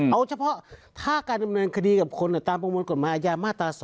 เอาเฉพาะถ้าการดำเนินคดีกับคนตามประมวลกฎหมายอาญามาตรา๒